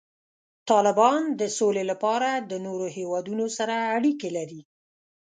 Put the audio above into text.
طالبان د سولې لپاره د نورو هیوادونو سره اړیکې لري.